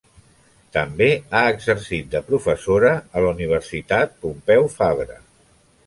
També ha exercit de professora a la Universitat Pompeu Fabra.